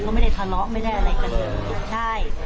เขาไม่ได้ทะเลาะไม่ได้อะไรกัน